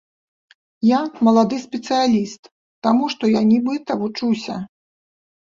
Я малады спецыяліст, таму што я нібыта вучуся.